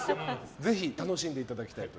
ぜひ楽しんでいただきたい。